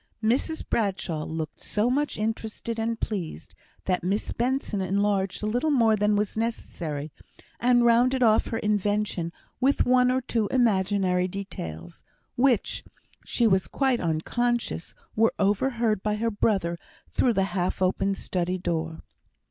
Mrs Bradshaw looked so much interested and pleased, that Miss Benson enlarged a little more than was necessary, and rounded off her invention with one or two imaginary details, which, she was quite unconscious, were overheard by her brother through the half open study door.